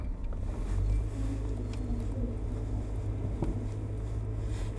山竹在各区造成严重破坏。